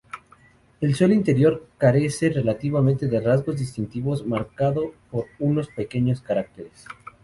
El suelo interior carece relativamente de rasgos distintivos, marcado por unos pequeños cráteres.